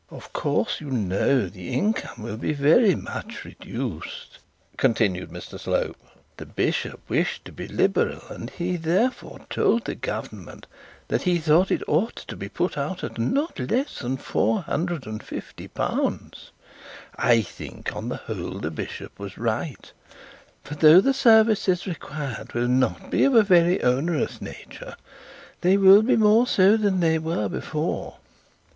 'Of course, you know, the income is very much reduced,' continued Mr Slope. 'The bishop wished to be liberal, and he therefore told the government that he thought it ought to be put at not less than L 450. I think on the whole the bishop was right; for though the service required will not be of a very onerous nature, they will be more so than they were before.